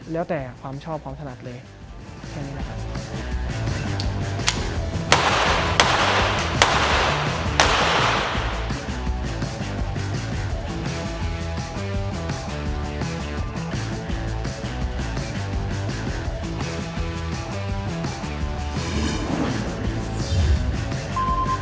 แล้วแต่ความชอบเขาถนัดเลยแค่นี้แหละครับ